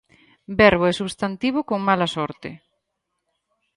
Verbo e substantivo con mala sorte.